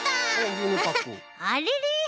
あれれ？